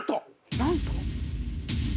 なんと？